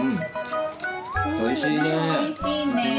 おいしいねえ。